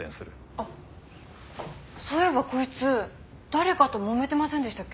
あっそういえばこいつ誰かともめてませんでしたっけ？